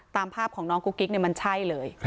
ตามภาพของน้องกุ๊กกิ๊กมันใช่เลย